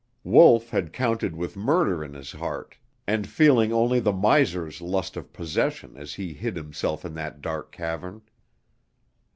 Wolf had counted with murder in his heart, and feeling only the miser's lust of possession as he hid himself in that dark cavern.